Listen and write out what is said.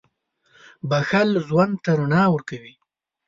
• بښل ژوند ته رڼا ورکوي.